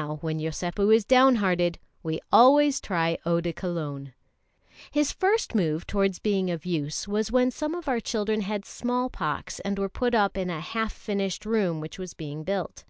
Now, when Yosépu is down hearted, we always try eau de Cologne. His first move towards being of use was when some of our children had small pox and were put up in a half finished room which was being built.